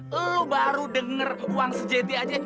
lo baru dengar uang sejati aja